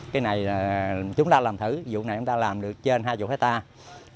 cái này là chúng ta làm thử vụ này chúng ta làm được trên hai mươi hectare